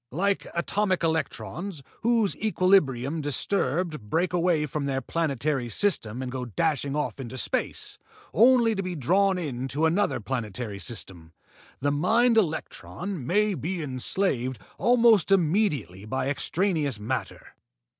Like atomic electrons, whose equilibrium disturbed break away from their planetary system and go dashing off into space, only to be drawn into another planetary system, the mind electron may be enslaved almost immediately by extraneous matter.